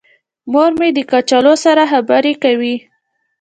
مور مې د کچالو سره خبرې کوي.